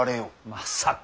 まさか。